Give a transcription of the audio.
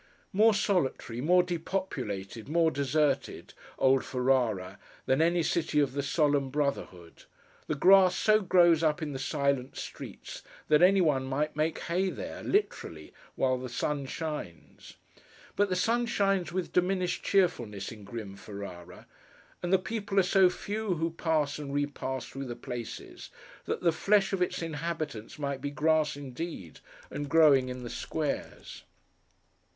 More solitary, more depopulated, more deserted, old Ferrara, than any city of the solemn brotherhood! The grass so grows up in the silent streets, that any one might make hay there, literally, while the sun shines. But the sun shines with diminished cheerfulness in grim Ferrara; and the people are so few who pass and re pass through the places, that the flesh of its inhabitants might be grass indeed, and growing in the squares.